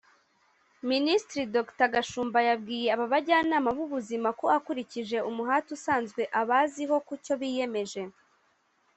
Minisitiri Dr Gashumba yabwiye aba bajyanama b’ubuzima ko akurikije umuhate asanzwe abaziho kucyo biyemeje